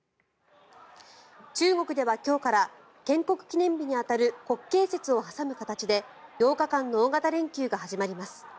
中国では今日から建国記念日に当たる国慶節を挟む形で８日間の大型連休が始まります。